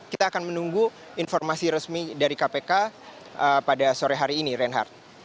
kita akan menunggu informasi resmi dari kpk pada sore hari ini reinhardt